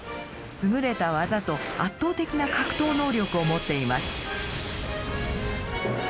優れた技と圧倒的な格闘能力を持っています。